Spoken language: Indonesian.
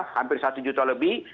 hampir satu juta lebih